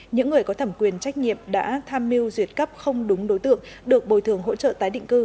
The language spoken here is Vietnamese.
những người có thẩm quyền trách nhiệm đã tham mưu duyệt cấp không đúng đối tượng được bồi thường hỗ trợ tái định cư